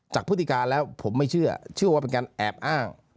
พฤติการแล้วผมไม่เชื่อเชื่อว่าเป็นการแอบอ้าง